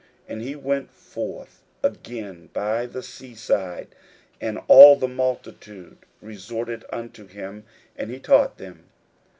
41:002:013 And he went forth again by the sea side; and all the multitude resorted unto him, and he taught them.